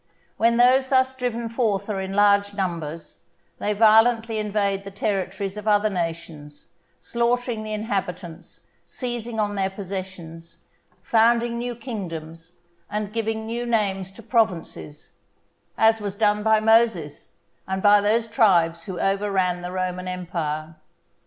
When those thus driven forth are in large numbers, they violently invade the territories of other nations, slaughtering the inhabitants, seizing on their possessions, founding new kingdoms, and giving new names to provinces; as was done by Moses, and by those tribes who overran the Roman Empire.